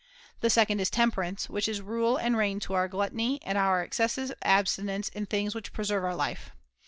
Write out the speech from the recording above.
The second is temperance, which is rule and rein to our gluttony and our excessive abstinence in things which preserve our life.